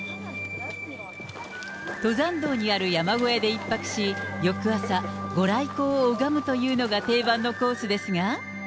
登山道にある山小屋で１泊し、翌朝、ご来光を拝むというのが定番のコースですが。